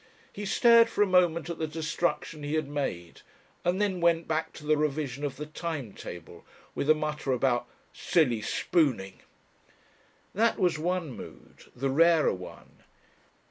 He stared for a moment at the destruction he had made, and then went back to the revision of the time table, with a mutter about "silly spooning." That was one mood. The rarer one.